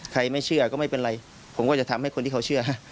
ไม่เชื่อก็ไม่เป็นไรผมก็จะทำให้คนที่เขาเชื่อ